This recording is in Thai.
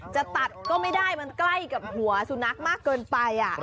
จะตัดก็ไม่ได้มันใกล้กับหัวสุนัขมากเกินไป